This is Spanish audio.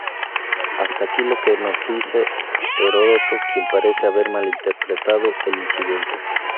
Hasta aquí lo que nos dice Heródoto, quien parece haber malinterpretado el incidente.